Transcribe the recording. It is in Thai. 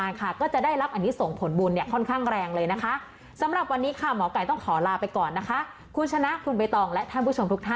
สวัสดีครับหมอกัยครับ